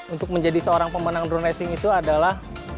untuk menjadi seorang pemandang drone racing itu adalah